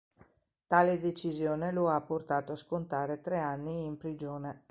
Tale decisione lo ha portato a scontare tre anni in prigione.